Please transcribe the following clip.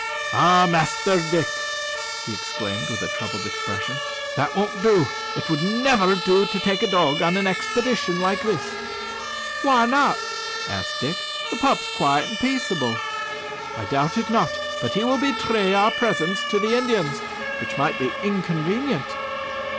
"Ah! Master Dick," he exclaimed with a troubled expression, "that won't do. It would never do to take a dog on an expedition like this." "Why not?" asked Dick; "the pup's quiet and peaceable." "I doubt it not; but he will betray our presence to the Indians, which might be inconvenient."